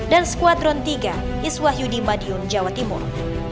dan sekuadron tiga iswahyudi madiun jawa timur